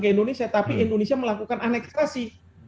ke indonesia tapi indonesia melakukan aneksasi